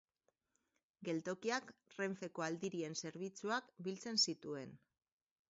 Geltokiak Renfeko aldirien zerbitzuak biltzen zituen.